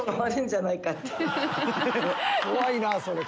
怖いなそれ。